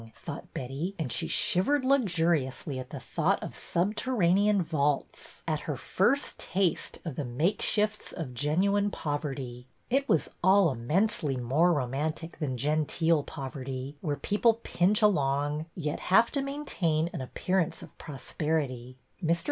thought Betty, and she shiv ered luxuriously at the thought of subterranean vaults, at her first taste of the makeshifts of genuine poverty. It was all immensely more romantic than genteel poverty, where people pinch along, yet have to maintain an appearance of prosperity. Air.